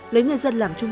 lấy người dân làm chung